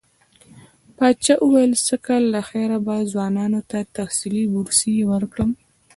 پاچا وويل سږ کال له خيره به ځوانانو ته تحصيلي بورسيې ورکړم.